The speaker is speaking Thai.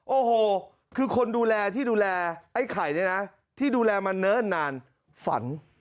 โอ้โหคือคนดูแลที่ดูแลไอ้ไข่เนี่ยนะที่ดูแลมาเนิ่นนานฝัน